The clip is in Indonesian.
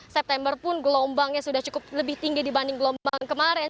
september pun gelombangnya sudah cukup lebih tinggi dibanding gelombang kemarin